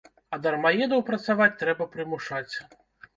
А дармаедаў працаваць трэба прымушаць.